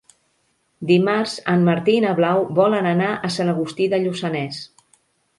Dimarts en Martí i na Blau volen anar a Sant Agustí de Lluçanès.